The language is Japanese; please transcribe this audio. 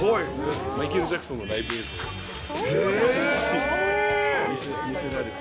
マイケル・ジャクソンのライブ映像を毎日見せられて。